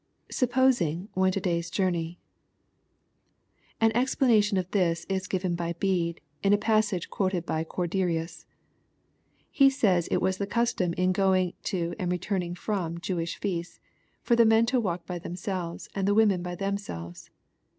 [^S'upposing,.,went a day's journey^ A.n explanation of this is given by Bede, in a passage quoted by Corderius. He says it was the custom in going to and returning from Jewish feasts, for the men to walk by themselves, and the women by themselves.